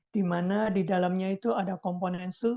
di mana di dalamnya itu ada komponen sul